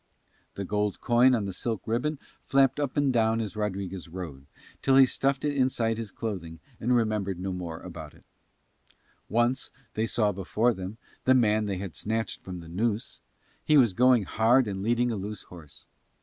The gold coin on the green silk ribbon flapped up and down as Rodriguez rode, till he stuffed it inside his clothing and remembered no more about it. Once they saw before them the man they had snatched from the noose: he was going hard and leading a loose horse.